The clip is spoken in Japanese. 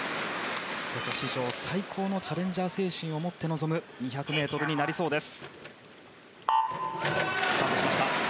瀬戸史上最高のチャレンジャー精神を持って臨む２００ｍになりそうです。